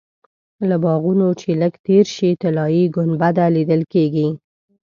له باغونو چې لږ تېر شې طلایي ګنبده لیدل کېږي.